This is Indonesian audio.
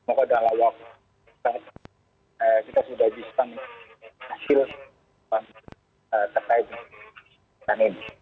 moga dalam waktu saat kita sudah bisa menghasilkan terkait ini